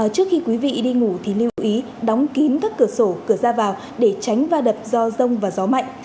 trước khi quý vị đi ngủ thì lưu ý đóng kín các cửa sổ cửa ra vào để tránh va đập do rông và gió mạnh